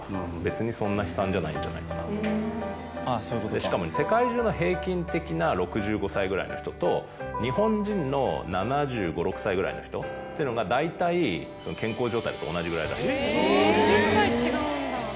しかも世界中の平均的な６５歳ぐらいの人と日本人の７５７６歳ぐらいの人っていうのが大体健康状態だと同じぐらいらしいんですよ。